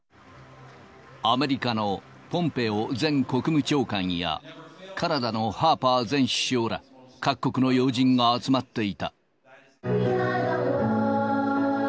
アメリカのポンペオ前国務長官や、カナダのハーパー前首相ら、各国の要人が集まっていた。